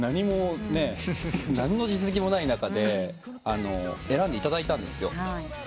何の実績もない中で選んでいただいたんですよ。